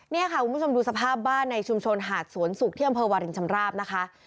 นี่ค่ะคุณผู้ชมดูสภาพบ้านในชุมชลหาดสวนสูกเที่ยวเมืองประวัติศาษณ์วาลินชมภาพ